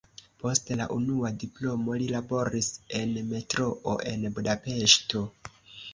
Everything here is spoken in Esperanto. Post la unua diplomo li laboris en metroo en Budapeŝto.